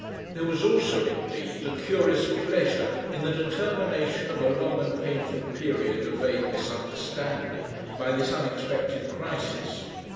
There was also indeed a curious pleasure in the determination of a long and painful period of vague misunderstanding by this unexpected crisis.